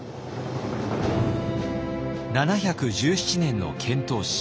７１７年の遣唐使。